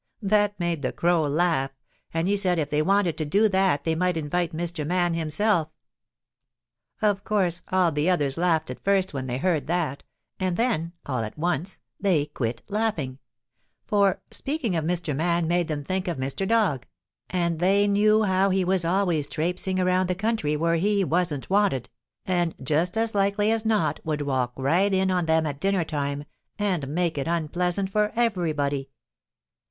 That made the Crow laugh, and he said if they wanted to do that they might invite Mr. Man himself. Of course all the others laughed at first when they heard that, and then, all at once, they quit laughing, for speaking of Mr. Man made them think of Mr. Dog, and they knew how he was always trapesing around the country where he wasn't wanted, and just as likely as not would walk right in on them at dinner time and make it unpleasant for everybody.